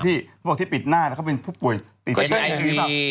พวกที่ปิดหน้าแล้วเขาเป็นผู้ป่วยติดติด